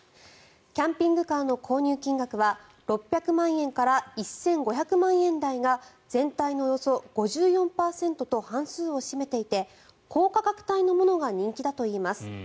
キャンピングカーの購入金額は６００万円台から１５００万円台が全体のおよそ５４％と半数を占めていて高価格帯のものが人気だといいます。